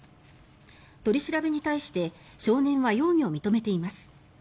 取り調べに対して少年は容疑を認めています。